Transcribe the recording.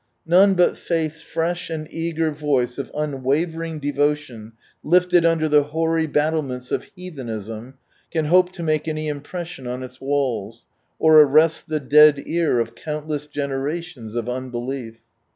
None but Faith's fresh and eager voice of unwavering devotion lifted under the hoary battlements of heathenism can hope to make any impression on its walls, or arrest the dead ear of countless generations of unbelief.